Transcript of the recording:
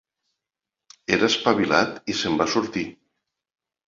Era espavilat i se'n va sortir.